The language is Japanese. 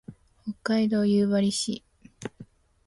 北海道夕張市